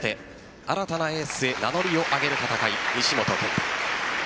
新たなエースへ名乗りを上げる戦い、西本拳太。